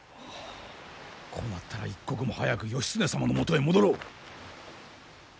こうなったら一刻も早く義経様のもとへ戻ろう。